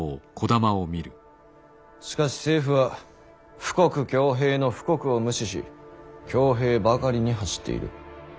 しかし政府は富国強兵の富国を無視し強兵ばかりに走っている。